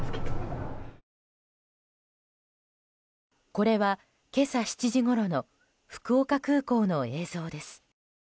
これは今朝７時ごろの福岡空港の映像です。